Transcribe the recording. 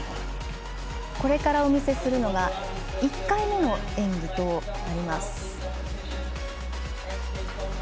これからお見せするのが１回目の演技となります。